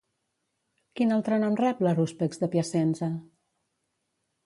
Quin altre nom rep l'Harúspex de Piacenza?